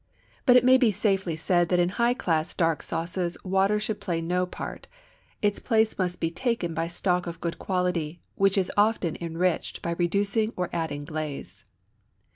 But it may be safely said that in high class dark sauces water should play no part; its place must be taken by stock of good quality, which is often enriched by reducing or adding glaze.